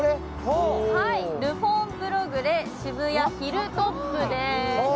ルフォンプログレ渋谷ヒルトップでーす。